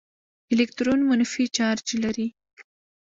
الکترون منفي چارج لري.